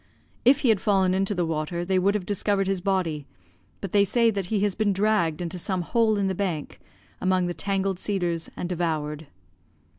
If he had fallen into the water, they would have discovered his body, but they say that he has been dragged into some hole in the bank among the tangled cedars and devoured.